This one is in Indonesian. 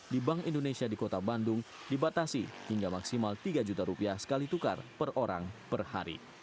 di bank indonesia di kota bandung dibatasi hingga maksimal tiga juta rupiah sekali tukar per orang per hari